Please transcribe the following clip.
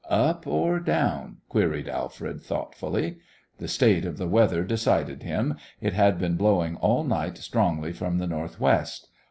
"Up or down?" queried Alfred, thoughtfully. The state of the weather decided him. It had been blowing all night strongly from the northwest.